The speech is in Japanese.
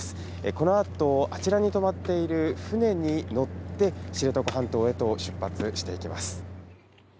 このあと、あちらに泊まっている船に乗って、知床半島へと出発していきます。